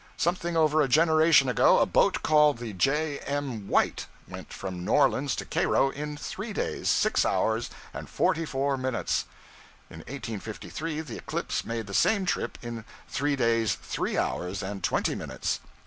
Something over a generation ago, a boat called the 'J. M. White' went from New Orleans to Cairo in three days, six hours, and forty four minutes. In 1853 the 'Eclipse' made the same trip in three days, three hours, and twenty minutes.